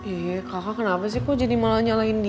iya kaka kenapa sih kau jadi malah nyalahin dia